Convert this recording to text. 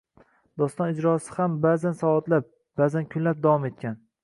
Doston ijrosi ham ba'zan soatlab, ba'zan kunlab davom etgan